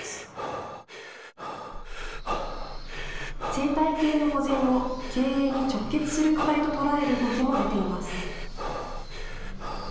生態系の保全を経営に直結する課題と捉える動きも出ています。